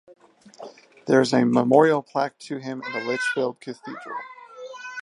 There is a memorial plaque to him in Lichfield Cathedral.